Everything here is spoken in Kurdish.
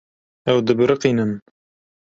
Ew dibiriqînin.